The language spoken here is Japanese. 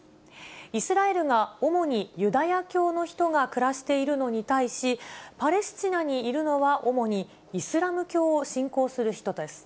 イスラエルが主にユダヤ教の人が暮らしているのに対し、パレスチナにいるのは主にイスラム教を信仰する人です。